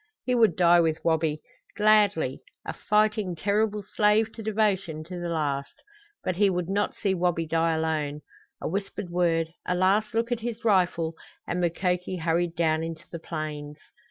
He would die with Wabi, gladly a fighting, terrible slave to devotion to the last; but he would not see Wabi die alone. A whispered word, a last look at his rifle, and Mukoki hurried down into the plains.